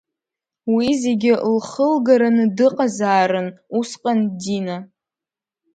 Уи зегьы лхылгараны дыҟазаарын усҟан Дина…